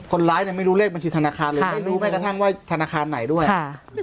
คนร้ายเนี่ยไม่รู้เลขบัญชีธนาคารเลยไม่รู้แม้กระทั่งว่าธนาคารไหนด้วย